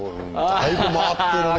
だいぶ回ってるね。